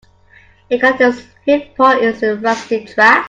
It caught its hind paw in a rusty trap.